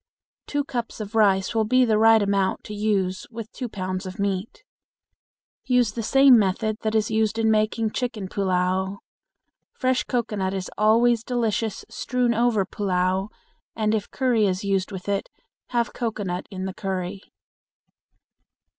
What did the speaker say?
Two cups of rice will be the right amount to use with two pounds of meat. Use the same method that is used in making chicken pullao. Fresh cocoanut is always delicious strewn over pullao, and if curry is used with it, have cocoanut in the curry.